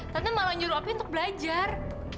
tante malah nyuruh api untuk belajar